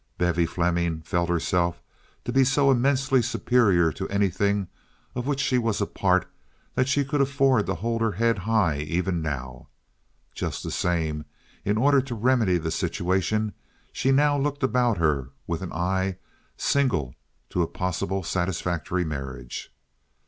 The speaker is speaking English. Bevy Fleming felt herself to be so immensely superior to anything of which she was a part that she could afford to hold her head high even now Just the same, in order to remedy the situation she now looked about her with an eye single to a possible satisfactory marriage.